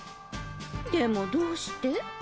でもどうして？